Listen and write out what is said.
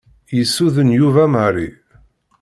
Yessuden Yuba Mary.